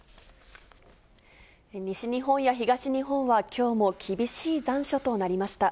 西日本や東日本はきょうも厳しい残暑となりました。